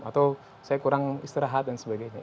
atau saya kurang istirahat dan sebagainya